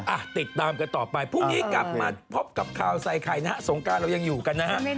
อ่ะติดตามกันต่อไปพรุ่งนี้กลับมาพบกับข่าวใส่ไข่นะฮะสงการเรายังอยู่กันนะฮะ